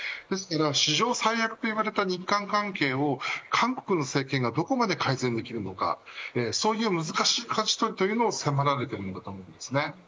史上最悪と言われた日韓関係を韓国の現政権がどこまで改善できるのかそういう難しいかじ取りを迫られています。